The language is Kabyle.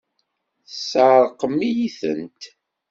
Tesεeṛqem-iyi-tent!